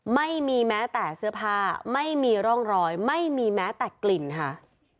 ไม่มีแม้แต่เสื้อผ้าไม่มีร่องรอยไม่มีแม้แต่กลิ่นค่ะ